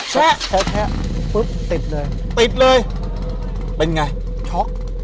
แชะปุ๊บติดเลยติดเลยเป็นไงช็อก